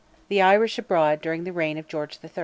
THE IRISH ABROAD, DURING THE REIGN OF GEORGE III.